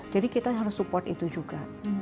jadi kita harus support itu juga